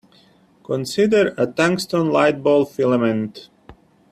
Consider a tungsten light-bulb filament.